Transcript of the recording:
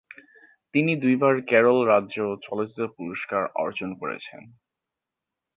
তিনি দুইবার কেরল রাজ্য চলচ্চিত্র পুরস্কার অর্জন করেছেন।